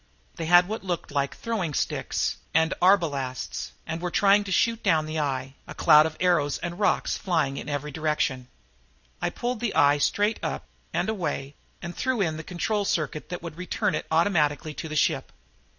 They had what looked like throwing sticks and arbalasts and were trying to shoot down the eye, a cloud of arrows and rocks flying in every direction. I pulled the eye straight up and away and threw in the control circuit that would return it automatically to the ship.